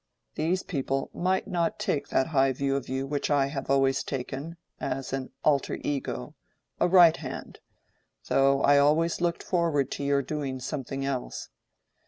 These people might not take that high view of you which I have always taken, as an alter ego, a right hand—though I always looked forward to your doing something else.